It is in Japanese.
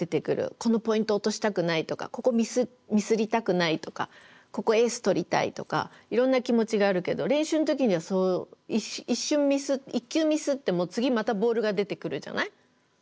このポイント落としたくないとかここミスりたくないとかここエース取りたいとかいろんな気持ちがあるけど練習の時には一瞬１球ミスっても次またボールが出てくるじゃない？